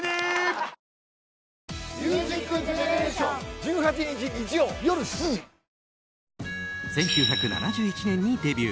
１９７１年にデビュー。